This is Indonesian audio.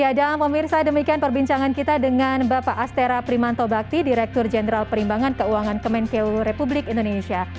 ya dan pemirsa demikian perbincangan kita dengan bapak astera primanto bakti direktur jenderal perimbangan keuangan kemenkeu republik indonesia